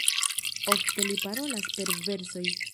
Ofte li parolas per versoj.